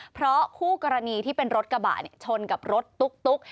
เพราะคู่กรณีที่เป็นรถกระบะชนกับรถตุ๊ก